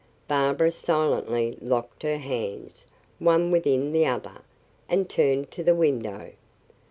Barbara silently locked her hands, one within the other, and turned to the window.